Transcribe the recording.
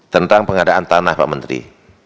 tentang pengadaan tanah pak menteri